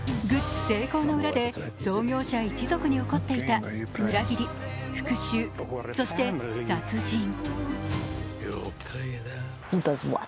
グッチ成功の裏で創業者一族に起こっていた裏切り、復しゅう、そして殺人。